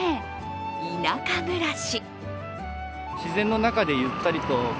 田舎暮らし。